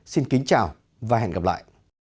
xin kính chào và hẹn gặp lại